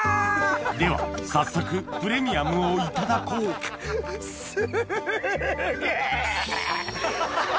では早速プレミアムをいただこうすげぇ。